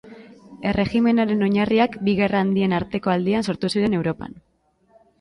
Erregimenaren oinarriak bi gerra handien arteko aldian sortu ziren Europan.